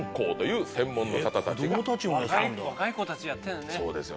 若い子たちやってるんだね。